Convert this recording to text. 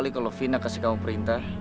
kali kalau fina kasih kamu perintah